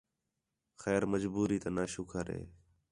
خیر مجبوری تا ناں شُکر ہے